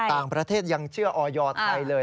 ต่างประเทศยังเชื่อออยไทยเลย